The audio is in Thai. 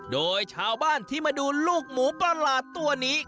โดยชาวบ้านที่มาดูลูกหมูประหลาดตัวนี้